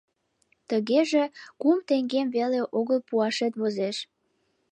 Тыгеже кум теҥгем веле огыл пуашет возеш.